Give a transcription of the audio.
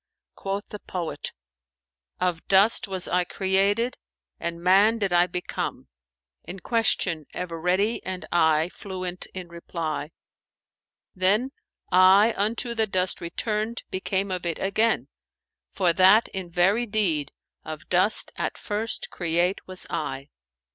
Quoth the poet, 'Of dust was I created, and man did I become, * In question ever ready and aye fluent in reply, Then, I unto the dust return'd, became of it again, * For that, in very deed, of dust at first create was I.'"